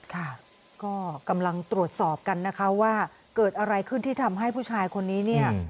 ค่ะก็กำลังตรวจสอบกันนะคะว่าเกิดอะไรขึ้นที่ทำให้ผู้ชายคนนี้เนี่ย